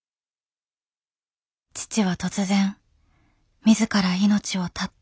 父は突然自ら命を絶った。